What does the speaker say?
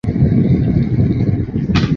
浙江乡试第八十一名。